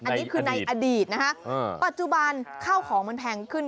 อันนี้คือในอดีตนะฮะปัจจุบันข้าวของมันแพงขึ้น